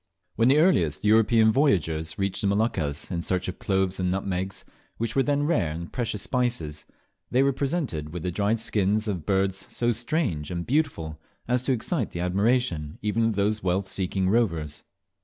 When the earliest European voyagers reached the Moluccas in search of cloves and nutmegs, which were then rare and precious spices, they were presented with the dried shins of birds so strange and beautiful as to excite the admiration even of those wealth seeking rovers.